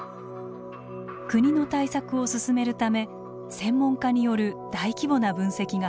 国の対策を進めるため専門家による大規模な分析が始まっています。